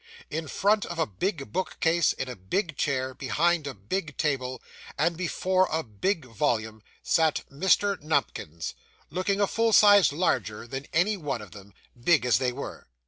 In front of a big book case, in a big chair, behind a big table, and before a big volume, sat Mr. Nupkins, looking a full size larger than any one of them, big as they were.